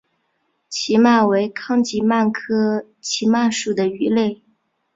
奇鳗为康吉鳗科奇鳗属的鱼类。